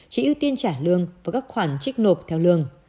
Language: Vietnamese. chỉ ưu tiên trả lương và các khoản trích nộp theo lương